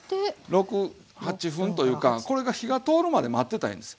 ６８分というかこれが火が通るまで待ってたらええんですよ。